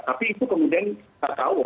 tapi itu kemudian kita tahu